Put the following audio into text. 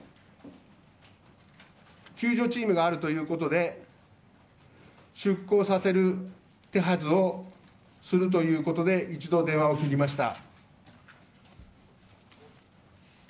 救助チームがあるということで出航させるてはずをするということで一度、電話を切りました。